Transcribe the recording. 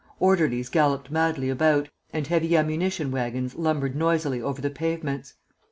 Orderlies galloped madly about, and heavy ammunition wagons lumbered noisily over the pavements.